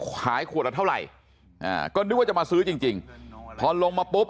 ขายขวดละเท่าไหร่อ่าก็นึกว่าจะมาซื้อจริงจริงพอลงมาปุ๊บ